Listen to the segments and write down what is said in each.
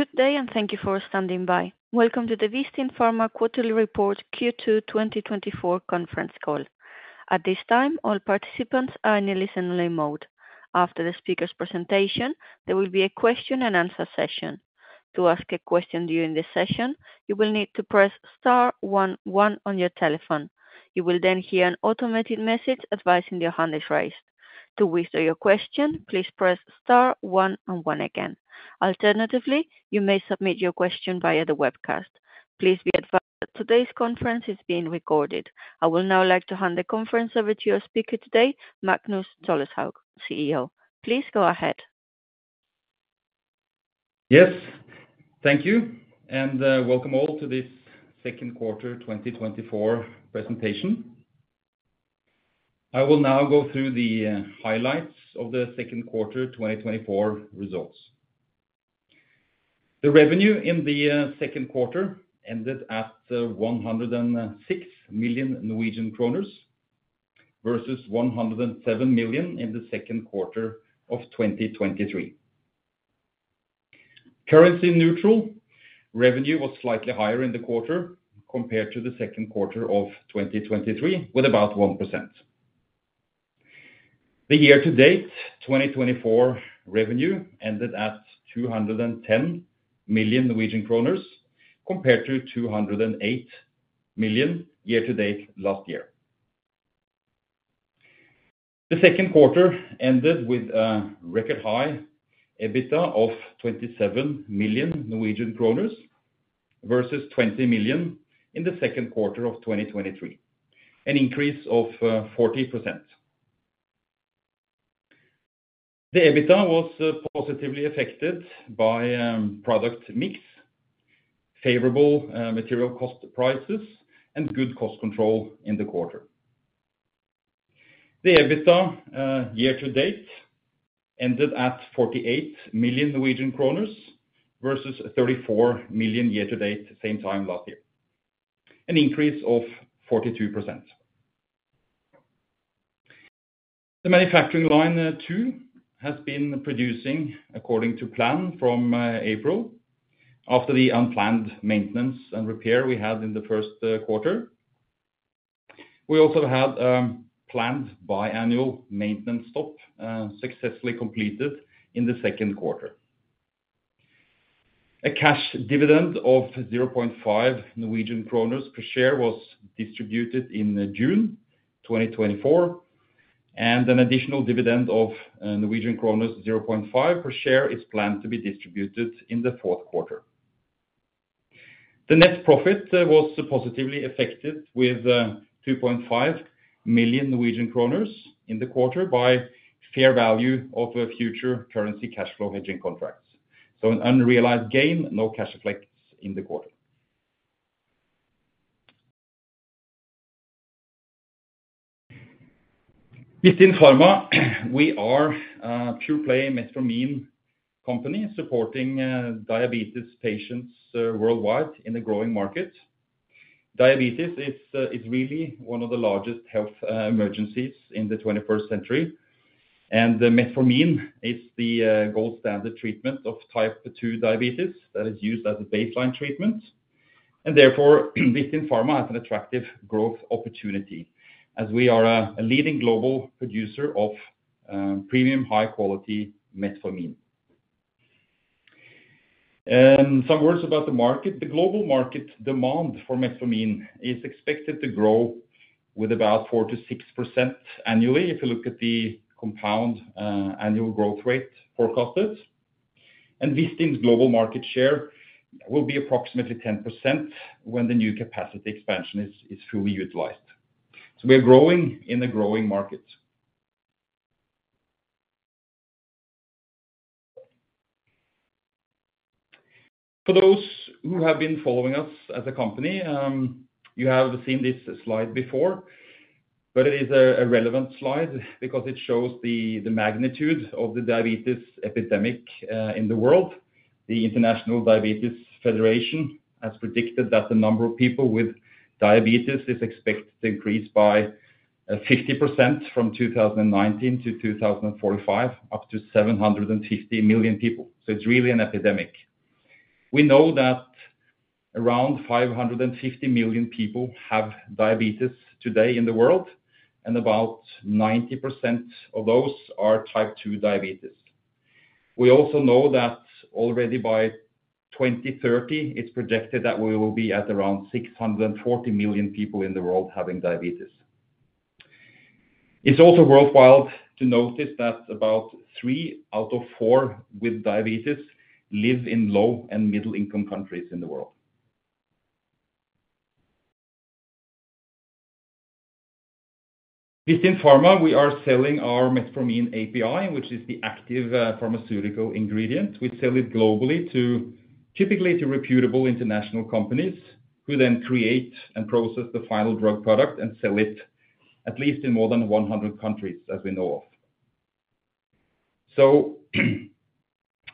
Good day, and thank you for standing by. Welcome to the Vistin Pharma Quarterly Report, Q2 2024 Conference Call. At this time, all participants are in a listen-only mode. After the speaker's presentation, there will be a question and answer session. To ask a question during this session, you will need to press star one one on your telephone. You will then hear an automated message advising your hand is raised. To withdraw your question, please press star one and one again. Alternatively, you may submit your question via the webcast. Please be advised that today's conference is being recorded. I will now like to hand the conference over to your speaker today, Magnus Tolleshaug, CEO. Please go ahead. Yes, thank you, and welcome all to this Q2 2024 presentation. I will now go through the highlights of the Q2 2024 results. The revenue in the Q2 ended at 106 million Norwegian kroner, versus 107 million in the Q2 of 2023. Currency neutral, revenue was slightly higher in the quarter compared to the Q2 of 2023, with about 1%. The year-to-date 2024 revenue ended at 210 million Norwegian kroner, compared to 208 million year-to-date last year. The Q2 ended with a record high EBITDA of 27 million Norwegian kroner, versus 20 million in the Q2 of 2023, an increase of 40%. The EBITDA was positively affected by product mix, favorable material cost prices, and good cost control in the quarter. The EBITDA year-to-date ended at 48 million Norwegian kroner, versus 34 million year-to-date the same time last year, an increase of 42%. The manufacturing line two has been producing according to plan from April, after the unplanned maintenance and repair we had in the Q1. We also had planned biannual maintenance stop successfully completed in the Q2. A cash dividend of 0.5 Norwegian kroner per share was distributed in June 2024, and an additional dividend of Norwegian kroner 0.5 per share is planned to be distributed in the Q3. The net profit was positively affected with 2.5 million Norwegian kroner in the quarter by fair value of a future currency cash flow hedging contracts. So an unrealized gain, no cash effects in the quarter. Vistin Pharma, we are a pure play Metformin company supporting diabetes patients worldwide in a growing market. Diabetes is really one of the largest health emergencies in the twenty-first century, and the Metformin is the gold standard treatment of type 2 diabetes that is used as a baseline treatment. Therefore, Vistin Pharma has an attractive growth opportunity, as we are a leading global producer of premium, high-quality Metformin. Some words about the market. The global market demand for Metformin is expected to grow with about 4%-6% annually, if you look at the compound annual growth rate forecasted. Vistin's global market share will be approximately 10% when the new capacity expansion is fully utilized. We are growing in a growing market. For those who have been following us as a company, you have seen this slide before, but it is a relevant slide because it shows the magnitude of the diabetes epidemic in the world. The International Diabetes Federation has predicted that the number of people with diabetes is expected to increase by 50% from 2019 to 2045, up to 750 million people. It's really an epidemic. We know that around 550 million people have diabetes today in the world, and about 90% of those are type two diabetes. We also know that already by 2030, it's projected that we will be at around 640 million people in the world having diabetes. It's also worthwhile to notice that about three out of four with diabetes live in low and middle-income countries in the world. Vistin Pharma, we are selling our metformin API, which is the active pharmaceutical ingredient. We sell it globally to typically to reputable international companies, who then create and process the final drug product and sell it at least in more than 100 countries, as we know of. So,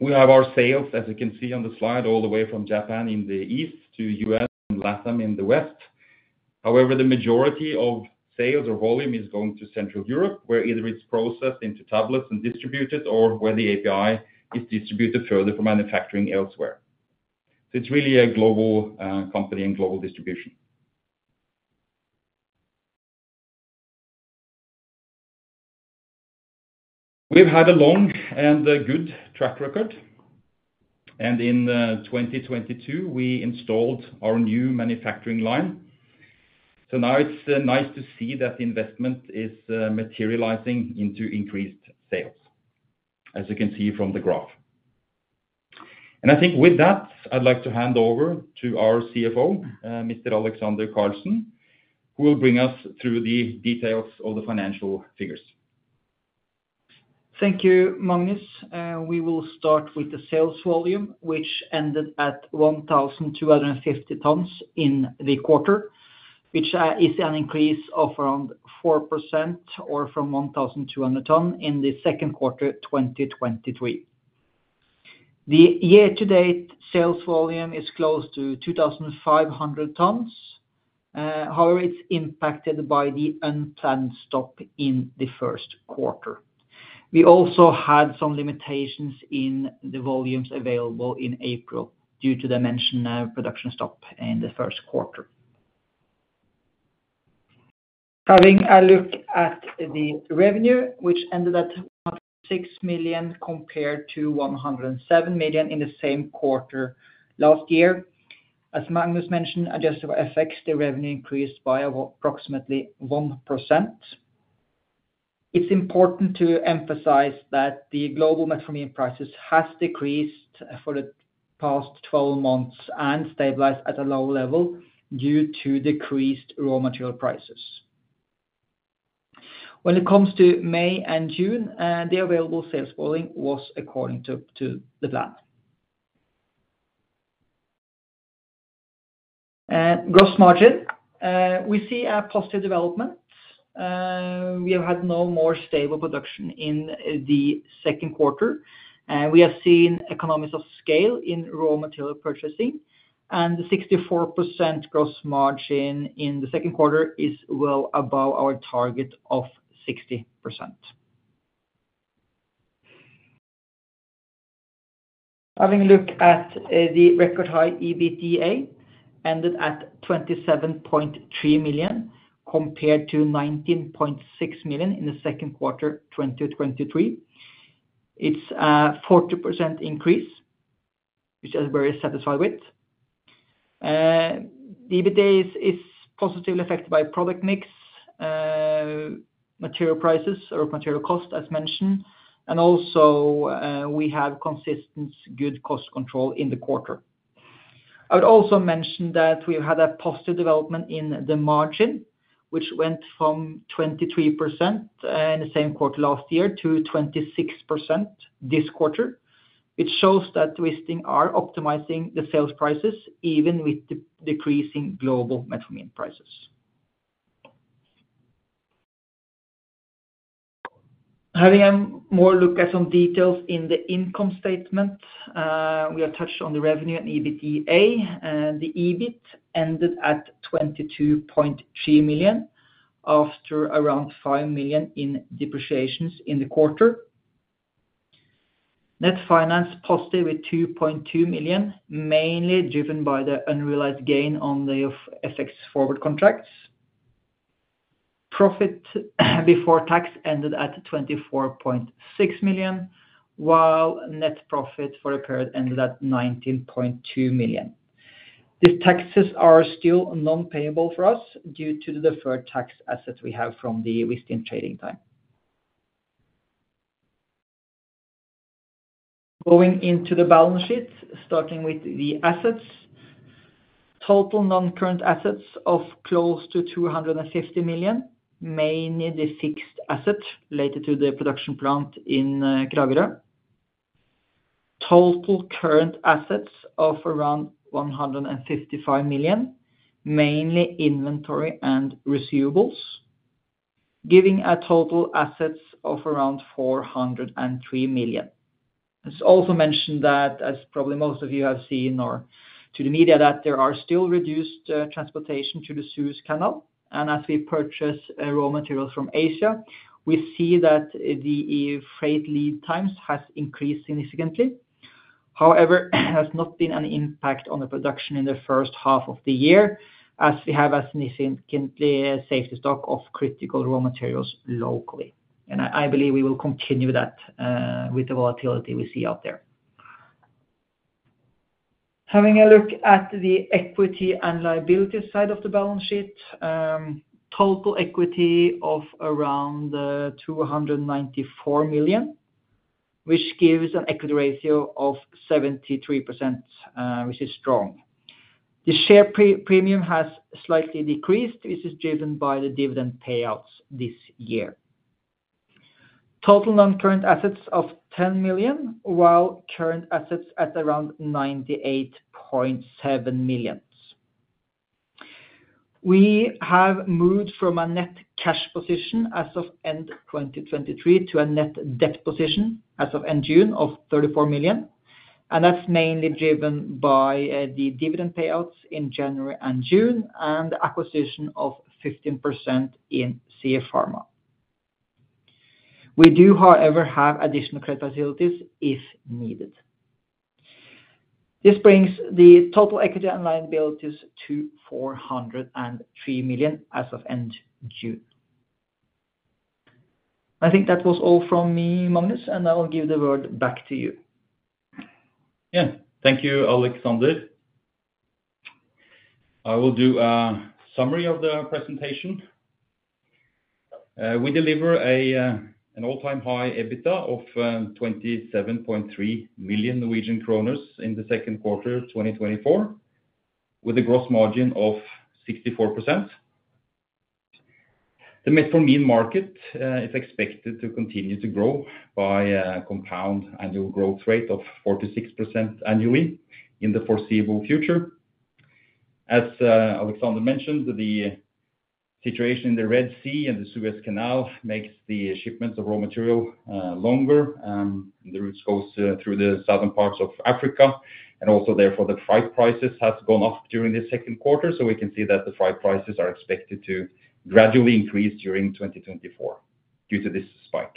we have our sales, as you can see on the slide, all the way from Japan in the east to US and LATAM in the west. However, the majority of sales or volume is going to Central Europe, where either it's processed into tablets and distributed, or where the API is distributed further for manufacturing elsewhere. So it's really a global, company and global distribution. We've had a long and a good track record, and in 2022, we installed our new manufacturing line. So now it's nice to see that the investment is materializing into increased sales, as you can see from the graph. And I think with that, I'd like to hand over to our CFO, Mr. Alexander Karlsen, who will bring us through the details of the financial figures. Thank you, Magnus. We will start with the sales volume, which ended at 1,250 tons in the quarter, which is an increase of around 4% from 1,200 tons in the Q2 2023. The year-to-date sales volume is close to 2,500 tons. However, it's impacted by the unplanned stop in the Q1. We also had some limitations in the volumes available in April due to the mentioned production stop in the Q1. Having a look at the revenue, which ended at 106 million, compared to 107 million in the same quarter last year. As Magnus mentioned, adjusted FX, the revenue increased by approximately 1%. It's important to emphasize that the global metformin prices has decreased for the past twelve months and stabilized at a low level due to decreased raw material prices. When it comes to May and June, the available sales volume was according to the plan. Gross margin, we see a positive development. We have had no more stable production in the Q2, and we have seen economies of scale in raw material purchasing, and 64% gross margin in the Q2 is well above our target of 60%. Having a look at the record-high EBITDA, ended at 27.3 million, compared to 19.6 million in the Q2, 2023. It's a 40% increase, which I was very satisfied with. EBITDA is positively affected by product mix, material prices or material cost, as mentioned, and also, we have consistent good cost control in the quarter. I would also mention that we had a positive development in the margin, which went from 23%, in the same quarter last year to 26% this quarter. It shows that we still are optimizing the sales prices, even with decreasing global metformin prices. Having a more look at some details in the income statement, we have touched on the revenue and EBITDA, and the EBIT ended at 22.3 million, after around 5 million in depreciations in the quarter. Net finance positive with 2.2 million, mainly driven by the unrealized gain on the FX forward contracts. Profit before tax ended at 24.6 million, while net profit for the period ended at 19.2 million. The taxes are still non-payable for us due to the deferred tax assets we have from the recent trading time. Going into the balance sheet, starting with the assets. Total non-current assets of close to 250 million, mainly the fixed assets related to the production plant in Kragerø. Total current assets of around 155 million, mainly inventory and receivables, giving a total assets of around 403 million. It's also mentioned that, as probably most of you have seen or to the media, that there are still reduced transportation to the Suez Canal, and as we purchase raw materials from Asia, we see that the freight lead times has increased significantly. However, it has not been an impact on the production in the H1 of the year, as we have a significant safety stock of critical raw materials locally. And I believe we will continue that with the volatility we see out there. Having a look at the equity and liability side of the balance sheet, total equity of around 294 million, which gives an equity ratio of 73%, which is strong. The share premium has slightly decreased, which is driven by the dividend payouts this year. Total non-current assets of 10 million, while current assets at around 98.7 million. We have moved from a net cash position as of end 2023 to a net debt position as of end June of 34 million, and that's mainly driven by the dividend payouts in January and June and acquisition of 15% in CF Pharma. We do, however, have additional credit facilities if needed. This brings the total equity and liabilities to 403 million as of end Q. I think that was all from me, Magnus, and I will give the word back to you. Yeah. Thank you, Alexander. I will do a summary of the presentation. We deliver an all-time high EBITDA of 27.3 million Norwegian kroner in the Q2 of 2024, with a gross margin of 64%. The metformin market is expected to continue to grow by a compound annual growth rate of 4%-6% annually in the foreseeable future. As Alexander mentioned, the situation in the Red Sea and the Suez Canal makes the shipments of raw material longer, the routes goes through the southern parts of Africa, and also therefore the freight prices has gone up during the Q2. So we can see that the freight prices are expected to gradually increase during 2024 due to this spike.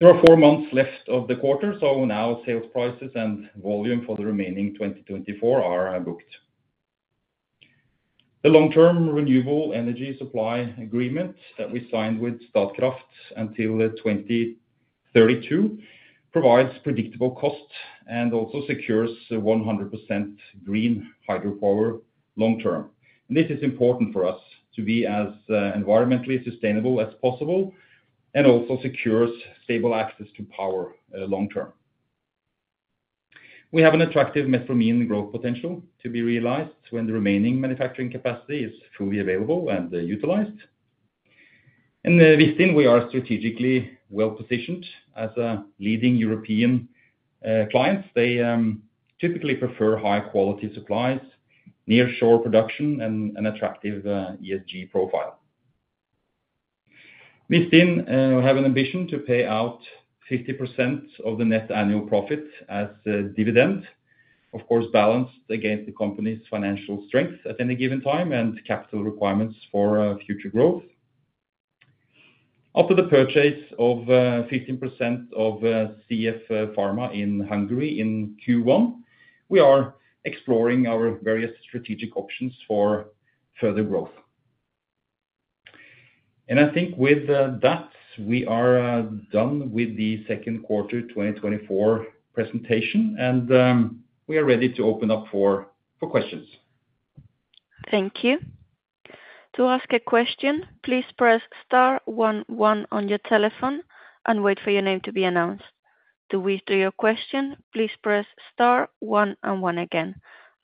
There are four months left of the quarter, so now sales prices and volume for the remaining 2024 are booked. The long-term renewable energy supply agreement that we signed with Statkraft until 2032 provides predictable costs and also secures 100% green hydropower long term. This is important for us to be as environmentally sustainable as possible and also secures stable access to power long term. We have an attractive metformin growth potential to be realized when the remaining manufacturing capacity is fully available and utilized. In Vistin we are strategically well positioned as a leading European clients. They typically prefer high-quality supplies, nearshore production, and an attractive ESG profile. Vistin have an ambition to pay out 50% of the net annual profit as a dividend, of course, balanced against the company's financial strength at any given time and capital requirements for future growth. After the purchase of 15% of CF Pharma in Hungary in Q1, we are exploring our various strategic options for further growth. And I think with that, we are done with the Q2 2024 presentation, and we are ready to open up for questions. Thank you. To ask a question, please press star one one on your telephone and wait for your name to be announced. To withdraw your question, please press star one and one again.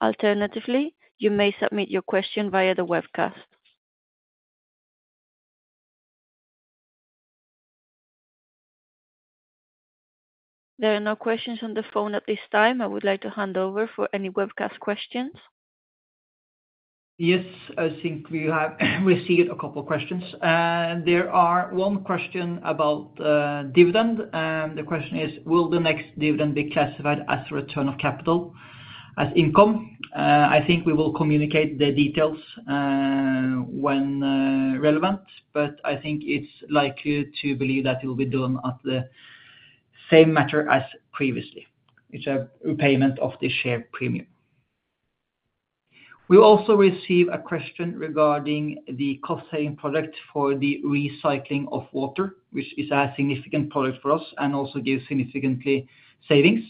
Alternatively, you may submit your question via the webcast. There are no questions on the phone at this time. I would like to hand over for any webcast questions. Yes, I think we have received a couple questions. There is one question about dividend, and the question is: Will the next dividend be classified as return of capital, as income? I think we will communicate the details when relevant, but I think it's likely to be that it will be done in the same manner as previously, which is a repayment of the share premium. We also received a question regarding the cost-saving project for the recycling of water, which is a significant project for us and also gives significant savings.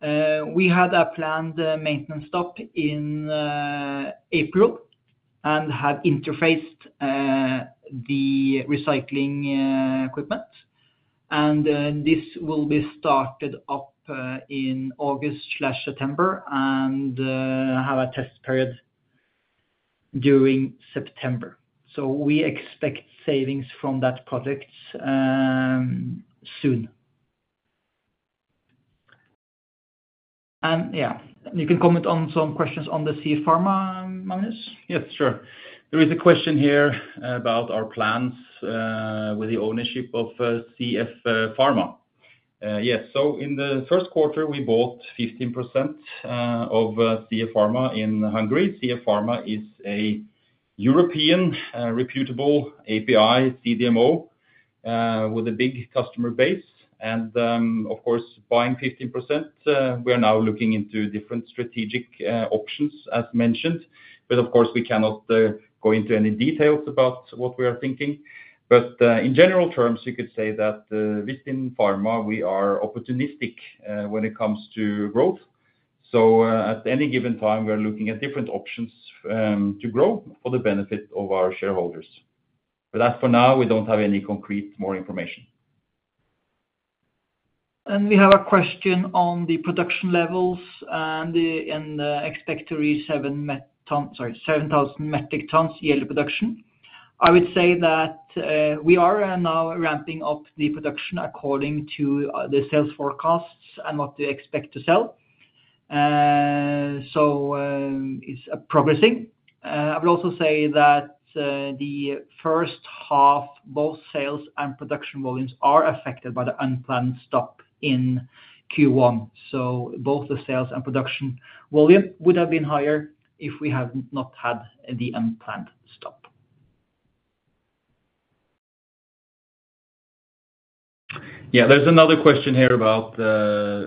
We had a planned maintenance stop in April and have installed the recycling equipment, and this will be started up in August/September and have a test period during September. So we expect savings from that project soon. Yeah, you can comment on some questions on the CF Pharma, Magnus. Yes, sure. There is a question here about our plans with the ownership of CF Pharma. Yes, so in the Q1, we bought 15% of CF Pharma in Hungary. CF Pharma is a European reputable API CDMO with a big customer base and, of course, buying 15%, we are now looking into different strategic options, as mentioned. But of course, we cannot go into any details about what we are thinking. But, in general terms, you could say that, within pharma, we are opportunistic when it comes to growth. So, at any given time, we are looking at different options to grow for the benefit of our shareholders. But as for now, we don't have any concrete more information. And we have a question on the production levels and the expected 7,000 metric tons yearly production. I would say that we are now ramping up the production according to the sales forecasts and what they expect to sell. So, it's progressing. I would also say that the H1, both sales and production volumes are affected by the unplanned stop in Q1. So both the sales and production volume would have been higher if we had not had the unplanned stop. Yeah, there's another question here about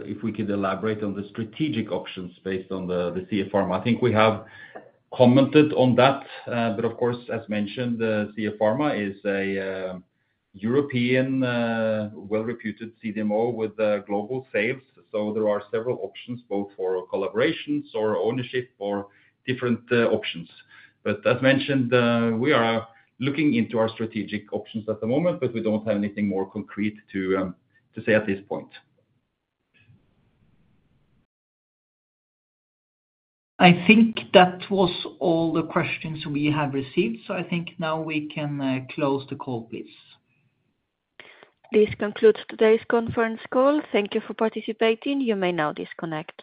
if we could elaborate on the strategic options based on the CF Pharma. I think we have commented on that, but of course, as mentioned, CF Pharma is a European well-reputed CDMO with global sales. So there are several options, both for collaborations or ownership or different options. But as mentioned, we are looking into our strategic options at the moment, but we don't have anything more concrete to say at this point. I think that was all the questions we have received, so I think now we can close the call, please. This concludes today's conference call. Thank you for participating. You may now disconnect.